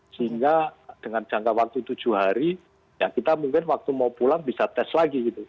sehingga dengan jangka waktu tujuh hari ya kita mungkin waktu mau pulang bisa tes lagi gitu